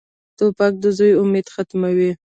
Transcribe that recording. توپک د زوی امید ختموي.